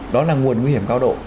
đó là nguồn nguy hiểm cao độ